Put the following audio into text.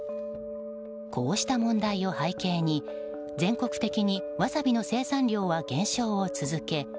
こうした問題を背景に、全国的にワサビの生産量は減少を続け